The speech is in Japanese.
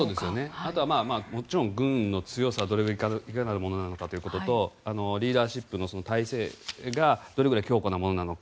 あとは軍の強さがどれくらいのものなのかというのとリーダーシップの体制がどれぐらい強固なものなのか